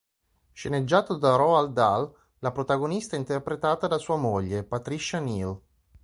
Sceneggiato da Roald Dahl, la protagonista è interpretata da sua moglie, Patricia Neal.